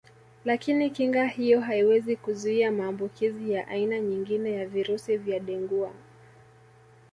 Lakini kinga hiyo haiwezi kuzuia maambukizi ya aina nyingine ya virusi vya Dengua